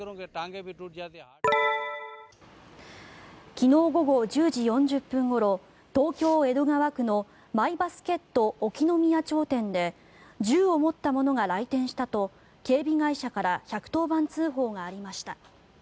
昨日午後１０時４０分ごろ東京・江戸川区のまいばすけっと興宮町店で銃を持った者が来店したと警備会社から１１０番通報がありました。